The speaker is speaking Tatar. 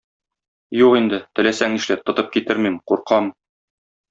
Юк инде, теләсәң нишләт, тотып китермим, куркам.